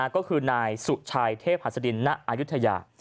ก็คือหน่ายสุชัยเทพหัตต์ศดินณอะรุยุธิยา